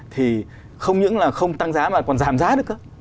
thì không những là không tăng giá mà còn giảm giá được cơ